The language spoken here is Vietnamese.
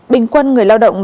bình quân người lao động